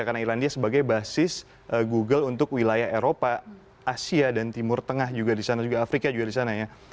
karena irlandia sebagai basis google untuk wilayah eropa asia dan timur tengah juga disana juga afrika juga disana ya